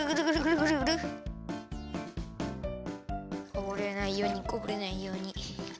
こぼれないようにこぼれないように。